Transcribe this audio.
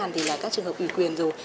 thì là các trường hợp ủy quyền rồi